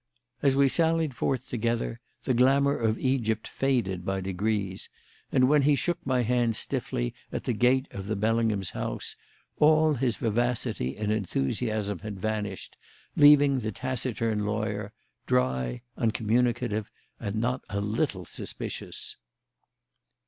As we sallied forth together the glamour of Egypt faded by degrees, and when he shook my hand stiffly at the gate of the Bellinghams' house, all his vivacity and enthusiasm had vanished, leaving the taciturn lawyer, dry, uncommunicative, and not a little suspicious.